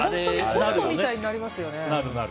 コントみたいになりますよね。